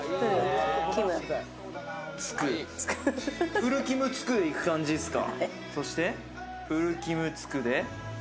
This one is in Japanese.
プル、キム、つくでいく感じですか。